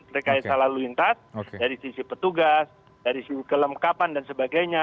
rekayasa lalu lintas dari sisi petugas dari sisi kelengkapan dan sebagainya